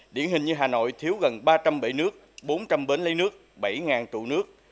điển hình như hà nội thiếu gần ba trăm linh bể nước bốn trăm linh bến lấy nước bảy trụ nước